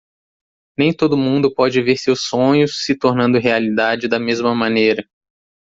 Nem todo mundo pode ver seus sonhos se tornando realidade da mesma maneira.